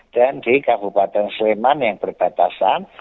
dan di kabupaten sleman yang berbatasan